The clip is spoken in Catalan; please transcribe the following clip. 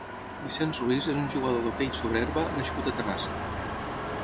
Viçens Ruiz és un jugador d'hoquei sobre herba nascut a Terrassa.